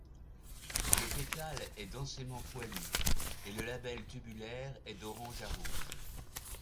Le pétale est densément poilu et le labelle tubulaire est d'orange à rouge.